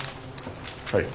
はい。